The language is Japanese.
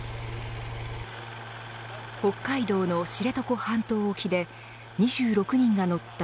北海道の知床半島沖で２６人が乗った